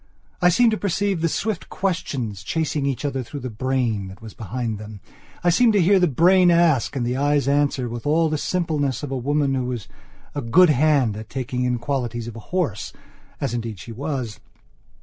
I seemed to perceive the swift questions chasing each other through the brain that was behind them. I seemed to hear the brain ask and the eyes answer with all the simpleness of a woman who was a good hand at taking in qualities of a horseas indeed she was.